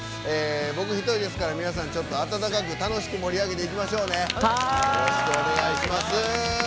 僕一人ですから皆さんあたたかく楽しく盛り上げていきましょうね。